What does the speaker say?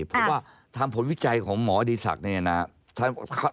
เพราะว่าทางผลวิจัยของหมอดีศักดิ์เนี่ยนะครับ